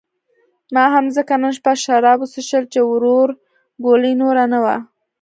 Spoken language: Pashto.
ما هم ځکه نن شپه شراب وڅښل چې ورورګلوي نوره نه وه.